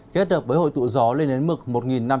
kết hợp với hội tụ gió lên đến mực một năm trăm linh m